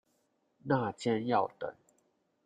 那間要等